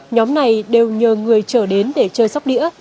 nhóm này đều nhờ người trở đến để chơi sóc đĩa